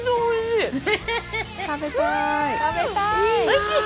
おいしい。